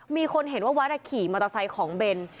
มีคนเห็นว่าวัดขี่มอเตอร์ไซค์ของเบน